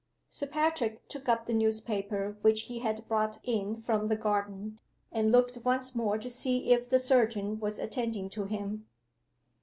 Sir Patrick took up the newspaper which he had brought in from the garden, and looked once more to see if the surgeon was attending to him.